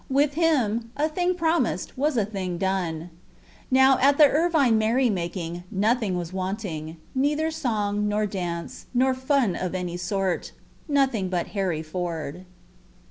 With him, a thing promised was a thing done. Now, at the Irvine merry making, nothing was wanting; neither song, nor dance, nor fun of any sort—nothing but Harry Ford.